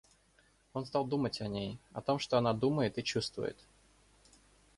Он стал думать о ней, о том, что она думает и чувствует.